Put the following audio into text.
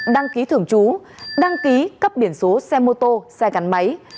đăng ký thưởng chú đăng ký cấp điển số xe mô tô xe gắn máy